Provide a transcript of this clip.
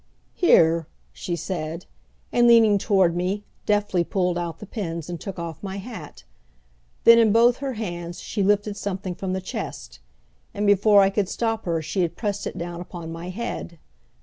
"Here," she said, and leaning toward me, deftly pulled out the pins and took off my hat. Then in both her hands she lifted something from the chest, and, before I could stop her she had pressed it down upon my head.